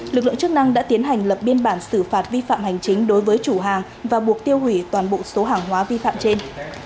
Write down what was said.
lực lượng chức năng đã tiến hành lập biên bản xử phạt vi phạm hành chính đối với chủ hàng và buộc tiêu hủy toàn bộ số hàng hóa vi phạm trên